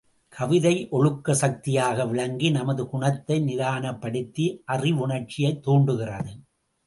கவிதை, ஒழுக்கச் சக்தியாக விளங்கி, நமது குணத்தை நிதானப்படுத்தி, அறவுணர்ச்சிகளைத் தூண்டுகிறது.